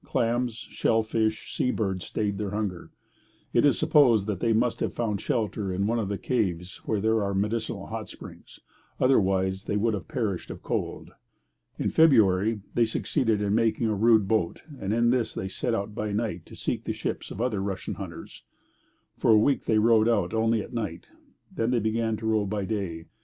Clams, shell fish, sea birds stayed their hunger. It is supposed that they must have found shelter in one of the caves where there are medicinal hot springs; otherwise, they would have perished of cold. In February they succeeded in making a rude boat, and in this they set out by night to seek the ships of other Russian hunters. For a week they rowed out only at night. Then they began to row by day.